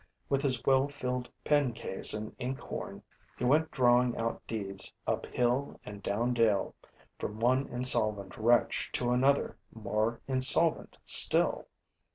With his well filled pen case and ink horn, he went drawing out deeds up hill and down dale, from one insolvent wretch to another more insolvent still.